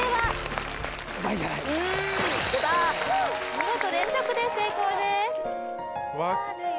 見事連続で成功です・春よ・